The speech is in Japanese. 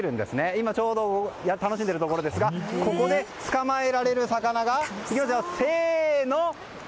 今、ちょうど楽しんでいるところですがここで捕まえられる魚が。